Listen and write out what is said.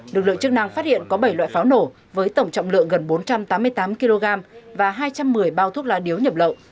lực lượng chức năng phát hiện có bảy loại pháo nổ với tổng trọng lượng gần bốn trăm tám mươi tám kg và hai trăm một mươi bao thuốc lá điếu nhập lậu